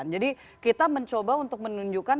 kita mencoba untuk menunjukkan